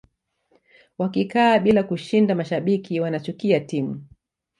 wakikaa bila kushinda mashabiki wanachukia timu